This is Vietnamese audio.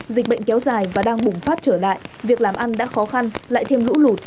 dịch bệnh kéo dài và đang bùng phát trở lại việc làm ăn đã khó khăn lại thêm lũ lụt